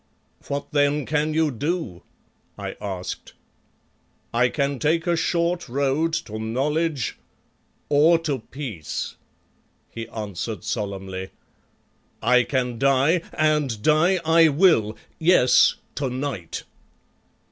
"What then can you do?" I asked. "I can take a short road to knowledge or to peace," he answered solemnly, "I can die, and die I will yes, tonight."